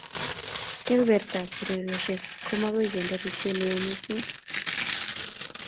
keberbertab urerioshek komakoi kendee ripset neoo mising